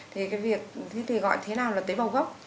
thì cái việc thì gọi thế nào là tế bào gốc